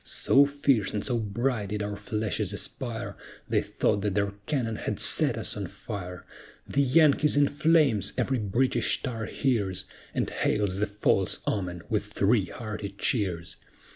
So fierce and so bright did our flashes aspire, They thought that their cannon had set us on fire, "The Yankee's in flames!" every British tar hears, And hails the false omen with three hearty cheers.